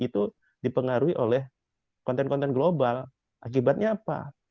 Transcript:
itu dipengaruhi oleh konten konten global akibatnya apa